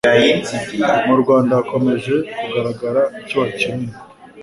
mu Rwanda hakomeje kugaragara icyuho kinini,